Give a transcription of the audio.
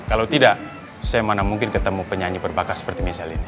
kalau tidak saya mana mungkin ketemu penyanyi berbakat seperti michelle ini